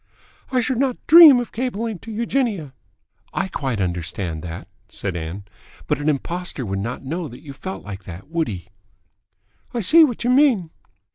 "I should not dream of cabling to Eugenia." "I quite understand that," said Ann. "But an impostor would not know that you felt like that, would he?" "I see what you mean."